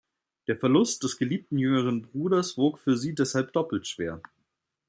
Der Verlust des geliebten jüngeren Bruders wog für sie deshalb doppelt schwer.